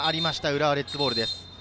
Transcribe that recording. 浦和レッズボールです。